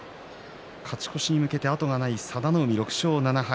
勝ち越しへ向けて後がない佐田の海、６勝７敗